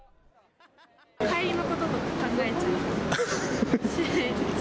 帰りのこととか考えちゃうし。